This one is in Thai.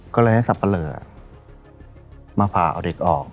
ก็เลยให้สับปะเหลอมาผ่าเอาเด็กออก